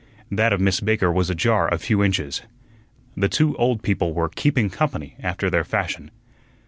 That of Miss Baker was ajar a few inches. The two old people were "keeping company" after their fashion.